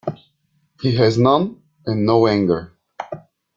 He has none, and no anger.